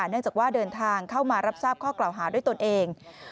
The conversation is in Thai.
เนื่องจากว่าเดินทางเข้ามารับทราบข้อกล่าวหาด้วยตนเอง